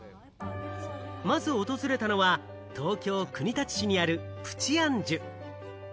まず訪れたのは、東京・国立市にあるプチ・アンジュ。